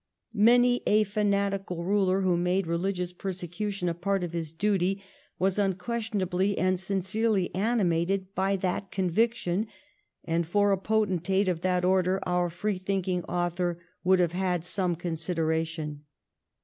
Many a fanatical ruler who made religious persecution a part of his duty was unquestionably and sincerely animated by that conviction, and for a potentate of that order our free thinking author would have had some consideration.